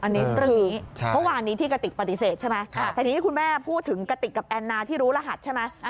อันนี้ตรึ้งเมื่อวานนี้ที่กระติกปฏิเสธใช่ไหมแต่ทีนี้คุณแม่พูดถึงกระติกกับแอนนาที่รู้รหัสใช่ไหม